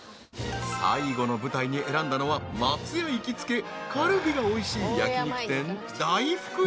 ［最後の舞台に選んだのは松也行きつけカルビがおいしい焼き肉店］